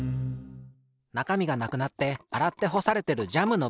なかみがなくなってあらってほされてるジャムのびんさんだ。